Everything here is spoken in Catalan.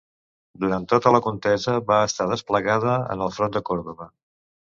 Durant tota la contesa va estar desplegada en el front de Còrdova.